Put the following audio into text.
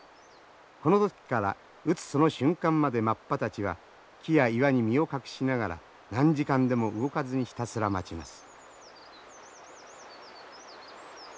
この時から撃つその瞬間までマッパたちは木や岩に身を隠しながら何時間でも動かずにひたすら待ちます。